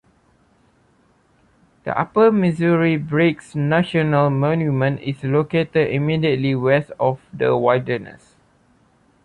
The Upper Missouri Breaks National Monument is located immediately west of the wilderness.